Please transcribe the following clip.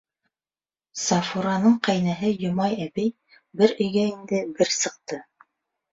Сафураның ҡәйнәһе Йомай әбей бер өйгә инде, бер сыҡты.